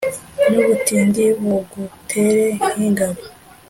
Nubutindi bugutere nk ingabo